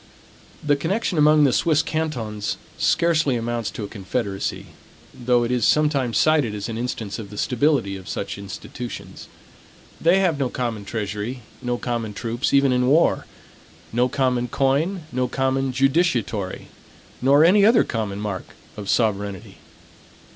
The connection among the Swiss cantons scarcely amounts to a confederacy; though it is sometimes cited as an instance of the stability of such institutions. They have no common treasury; no common troops even in war; no common coin; no common judicatory; nor any other common mark of sovereignty.